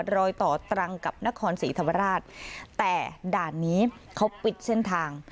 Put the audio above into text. รอยต่อตรังกับนครศรีธรรมราชแต่ด่านนี้เขาปิดเส้นทาง